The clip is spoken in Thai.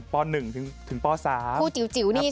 ผู้จิ๋วนี่ใช่ไหมครับ